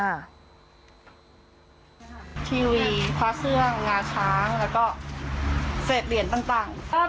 ทีวีคว้าเครื่องงาช้างแล้วก็เศษเหรียญต่าง